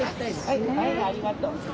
はいありがとう。